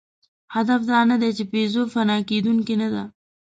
هدف دا نهدی، چې پيژو فنا کېدونکې نهده.